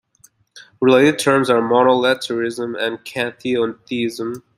Related terms are monolatrism and kathenotheism.